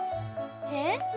えっ？